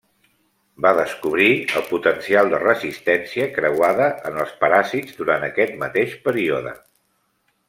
Va descobrir el potencial de resistència creuada en els paràsits durant aquest mateix període.